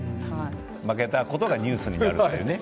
負けた事がニュースになるんだよね。